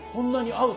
合う。